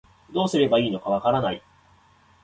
どうすればいいのかわからない